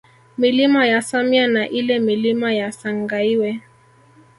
Milima ya Samya na ile Milima ya Sangaiwe